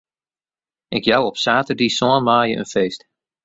Ik jou op saterdei sân maaie in feest.